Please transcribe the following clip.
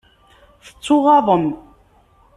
Tettuɣaḍem.